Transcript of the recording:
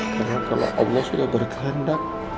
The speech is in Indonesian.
karena kalau allah sudah berkehendak